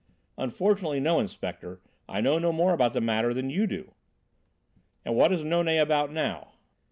"Unfortunately no, Inspector. I know no more about the matter than you do." "And what is Nonet about now?"